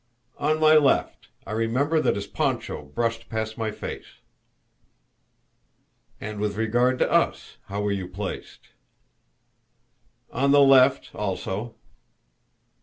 "On my left. I remember that his poncho brushed past my face." "And with regard to us, how were you placed?" "On the left also."